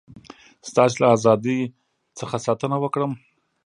ستاسي له ازادی څخه ساتنه وکړم.